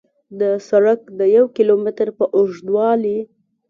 د سړک د یو کیلو متر په اوږدوالي